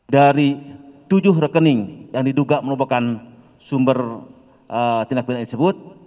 dari tujuh rekening yang diduga merupakan sumber tindak pidana tersebut